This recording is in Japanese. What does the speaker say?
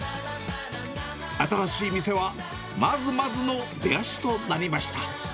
新しい店はまずまずの出足となりました。